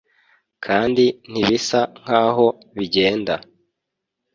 kandi ntibisa nkaho bigenda